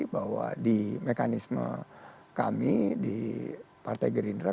bahwa di mekanisme kami di partai gerindra